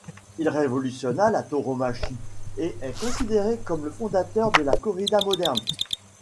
Il révolutionna la tauromachie et est considéré comme le fondateur de la corrida moderne.